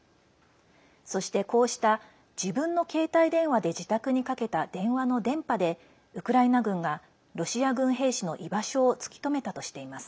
そして、こうした自分の携帯電話で自宅にかけた電話の電波でウクライナ軍がロシア軍兵士の居場所を突きとめたとしています。